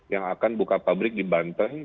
yang akan buka pabrik di banten